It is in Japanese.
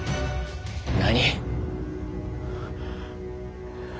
何？